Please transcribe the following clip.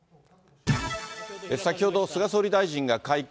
先ほど、菅総理大臣が会見。